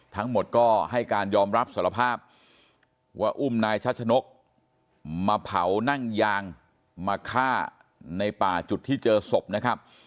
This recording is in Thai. ทั้งหมดก็ให้การยอมรับสารภาพว่าอุ้มนายชัชนกมาเผานั่งยางมาฆ่าในป่าจุดที่เจอศพนะครับ